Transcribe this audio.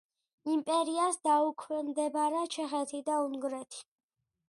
იმპერიას დაუქვემდებარა ჩეხეთი და უნგრეთი.